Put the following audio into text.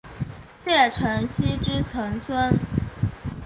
谢承锡之曾孙。